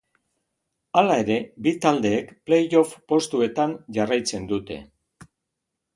Hala ere, bi taldeek playoff postuetan jarraitzen dute.